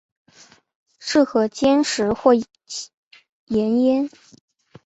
适合煎食或盐腌。